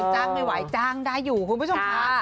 จ้างไม่ไหวจ้างได้อยู่คุณผู้ชมค่ะ